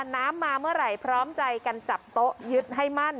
น้ำมาเมื่อไหร่พร้อมใจกันจับโต๊ะยึดให้มั่น